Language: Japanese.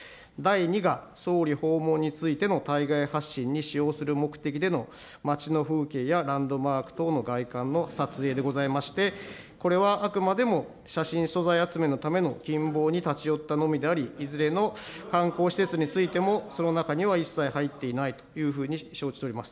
第２が、総理訪問についての対外発信に使用する目的での街の風景やランドマーク等の外観の撮影でございまして、これはあくまでも写真素材集めのためのけんぼうに立ち寄ったためであり、いずれの観光施設についても、その中には一切入っていないというふうに承知しております。